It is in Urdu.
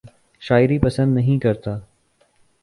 شاعری پسند نہیں کرتا